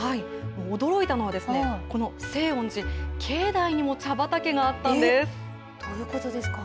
驚いたのはこの清音寺、境内にも茶畑があったんです。